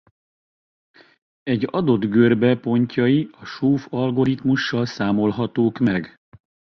Egy adott görbe pontjai a Schoof-algoritmussal számolhatók meg.